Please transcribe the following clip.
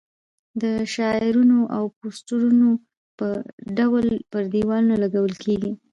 د شعارونو او پوسټرونو په ډول پر دېوالونو لګول کېږي.